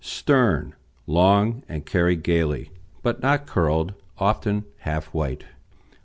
STERN Long and carried gaily, but not curled; often half white.